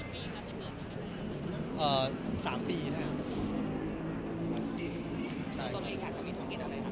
ส่วนตัวเองอยากจะมีธุรกิจอะไรนะ